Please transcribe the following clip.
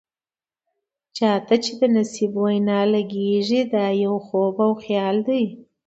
چا ته چې د نصيحت وینا لګیږي، دا يو خوب او خيال دی.